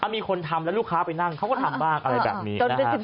มีคนทำแล้วลูกค้าไปนั่งเขาก็ทำบ้างอะไรแบบนี้นะฮะ